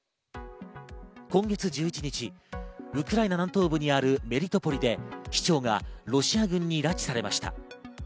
今月１１日、ウクライナ南東部にあるメリトポリで市長がロシア軍に拉致されました。